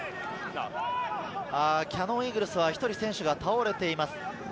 キヤノンイーグルスは１人選手が倒れています。